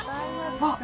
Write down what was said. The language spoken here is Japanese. あっ。